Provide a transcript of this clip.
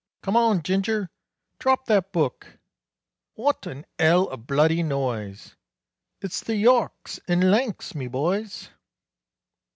"Come on, Ginger, drop that book!" "Wot an 'ell of bloody noise!" "It's the Yorks and Lancs, meboys!"